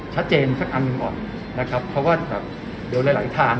ชัดเจนซักอันหนึ่งออกนะครับเพราะว่าแบบเดี๋ยวอะไรทาง